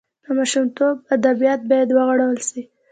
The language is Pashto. د ماشومانو ادبیات باید وغوړول سي.